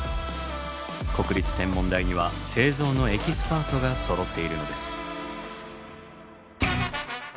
国立天文台には製造のエキスパートがそろっているのです。